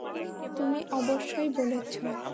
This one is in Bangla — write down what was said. তুমি অবশ্যই বলেছ।